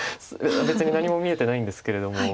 別に何も見えてないんですけれども。